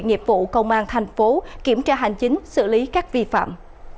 nghiệp vụ công an thành phố kiểm tra hành chính xử lý các vi phạm